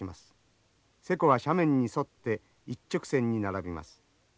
勢子は斜面に沿って一直線に並びます。